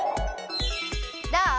どう？